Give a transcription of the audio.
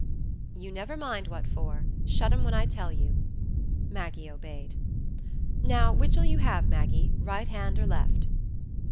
"You never mind what for. Shut 'em when I tell you." Maggie obeyed. "Now, which'll you have, Maggie,—right hand or left?"